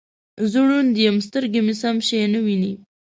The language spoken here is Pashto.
زه ړوند یم سترګې مې سم شی نه وینې